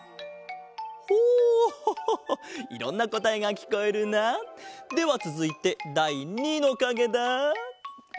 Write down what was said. ほういろんなこたえがきこえるな。ではつづいてだい２のかげだ。